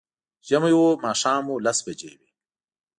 ژمی و، ماښام و، لس بجې وې